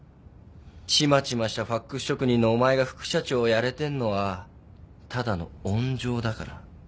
ちまちましたファクス職人のお前が副社長やれてんのはただの温情だから。